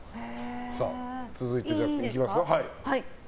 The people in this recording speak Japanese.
続いていきますか。